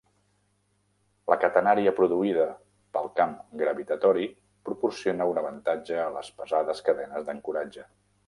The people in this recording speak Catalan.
La catenària produïda pel camp gravitatori proporciona un avantatge a les pesades cadenes d'ancoratge.